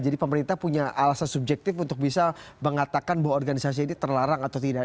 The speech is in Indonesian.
jadi pemerintah punya alasan subjektif untuk bisa mengatakan bahwa organisasi ini terlarang atau tidak